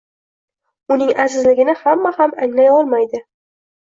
Uning azizligini hamma ham anglay olmaydi